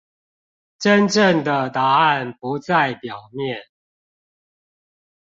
真正的答案不在表面